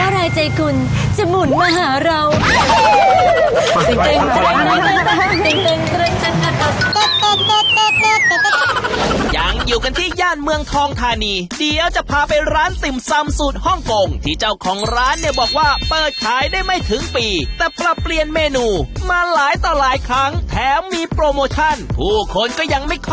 แล้วเมื่อในดีใจคุณจะหมุนมาหาเรา